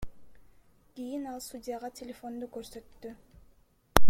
Кийин ал судьяга телефонду көрсөттү.